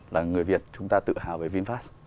là người việt chúng ta tự hào về vinfast